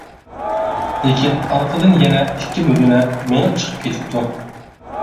لېكىن ئارقىدىن يەنە ئىككى بۆدۈنە مېڭىپ چىقىپ كېتىپتۇ.